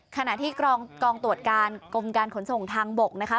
ขณะที่กองตรวจการกรมการขนส่งทางบกนะคะ